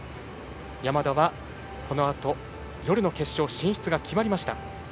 山田は、このあと夜の決勝進出が決まりました。